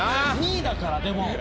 ２位だからでも。